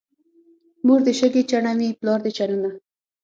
مور دې شګې چڼوي، پلار دې چنونه.